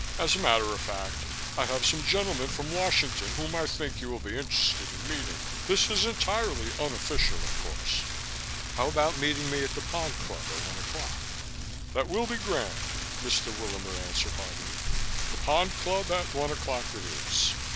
As a matter of fact, I have some gentlemen from Washington whom I think you will be interested in meeting. This is entirely unofficial, of course." "How about meeting me at the Pond Club at one o'clock?" "That will be grand," Mr. Willamer answered heartily. "The Pond Club at one o'clock it is."